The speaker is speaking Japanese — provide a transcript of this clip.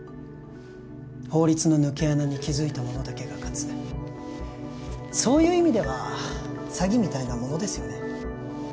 法律の抜け穴に気づいた者だけが勝つそういう意味では詐欺みたいなものですよね